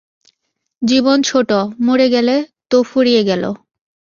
জীবনটা ছোট, মরে গেলে তো ফুরিয়ে গেল।